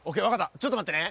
ちょっと待ってね。